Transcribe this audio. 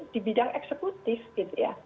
di bidang eksekutif gitu ya